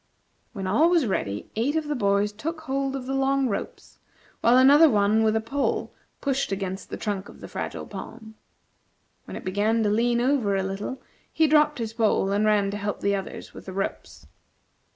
When all was ready, eight of the boys took hold of the long ropes, while another one with a pole pushed against the trunk of the Fragile Palm. When it began to lean over a little, he dropped his pole and ran to help the others with the ropes.